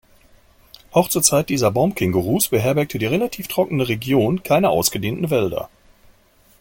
Auch zur Zeit dieser Baumkängurus beherbergte die relativ trockene Region keine ausgedehnten Wälder.